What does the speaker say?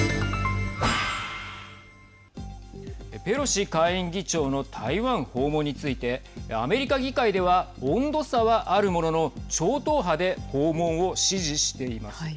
ペロシ下院議長の台湾訪問についてアメリカ議会では温度差はあるものの超党派で訪問を支持しています。